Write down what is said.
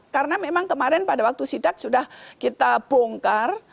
karena memang kemarin pada waktu sidat sudah kita bongkar